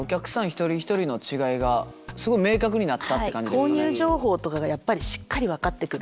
一人一人の違いがすごい明確になったって感じですよね。